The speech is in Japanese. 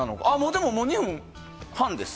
でも残り２分半ですか。